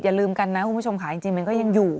อย่าลืมกันนะคุณผู้ชมค่ะจริงมันก็ยังอยู่